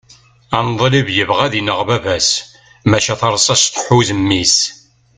aneḍlib yebɣa ad ineɣ baba-s maca tarsast tḥuz mmi-s